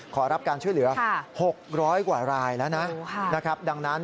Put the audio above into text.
ขอรับการช่วยเหลือ๖๐๐กว่าไรล์ละนะดังนั้น